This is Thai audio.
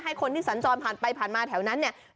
คนที่สัญจรผ่านไปผ่านมาแถวนั้นเนี่ย